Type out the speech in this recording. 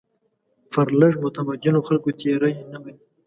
پر لږ متمدنو خلکو تېري نه مني.